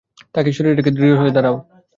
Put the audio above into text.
তাকে সরিয়ে দিয়ে দৃঢ় হয়ে দাঁড়াও।